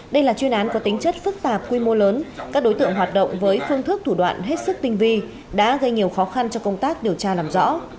đây là chuyên án có tính chất phức tạp quy mô lớn các đối tượng hoạt động với phương thức thủ đoạn hết sức tinh vi đã gây nhiều khó khăn cho công tác điều tra làm rõ